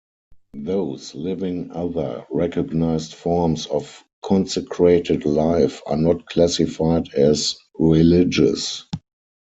Those living other recognized forms of consecrated life are not classified as religious.